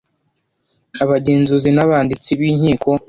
Abagenzuzi n’Abanditsi b’Inkiko